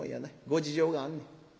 ご事情があんねん。